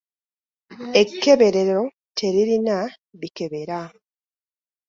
Ekkeberero teririna bikebera.